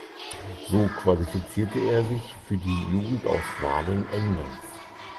So qualifizierte er sich für die Jugendauswahlen Englands.